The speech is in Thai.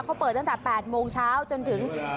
เขาเปิดตั้งแต่๘โมงเช้าจนถึง